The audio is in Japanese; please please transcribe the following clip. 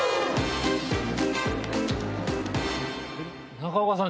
中岡さん